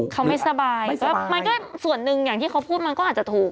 เขาไม่สบายมันก็ส่วนหนึ่งอย่างที่เขาพูดมันก็อาจจะถูก